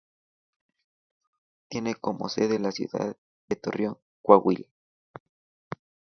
Tiene como sede la ciudad de Torreón, Coahuila.